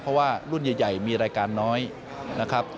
เพราะว่ารุ่นใหญ่มีรายการน้อยนะครับ